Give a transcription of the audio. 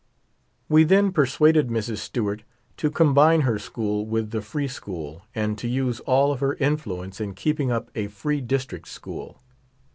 We then persuaded ]Mrs. Stew art to combine her school with the free school, and to use all of her influence in keeping up a free District school.